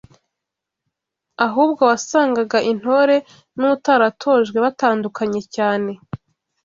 ahubwo wasangaga intore n’utaratojwe batandukanye cyane